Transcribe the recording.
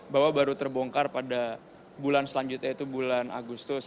bahwa baru terbongkar pada bulan selanjutnya itu bulan agustus